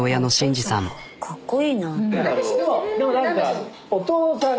かっこいいな。